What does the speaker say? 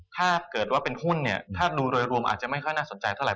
ถ้าเกิดว่าเป็นหุ้นเนี่ยถ้าดูโดยรวมอาจจะไม่ค่อยน่าสนใจเท่าไ